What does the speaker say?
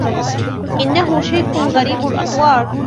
إنه شيخ غريب الأطوار